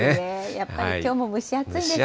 やっぱりきょうも蒸し暑いですかね。